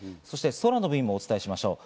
そして空の便もお伝えします。